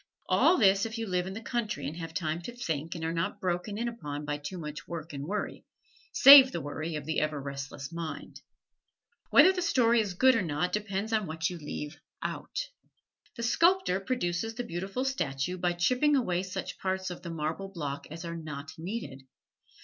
All this if you live in the country and have time to think and are not broken in upon by too much work and worry save the worry of the ever restless mind. Whether the story is good or not depends upon what you leave out. The sculptor produces the beautiful statue by chipping away such parts of the marble block as are not needed.